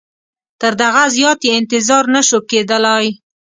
تر دغه زیات یې انتظار نه سو کېدلای.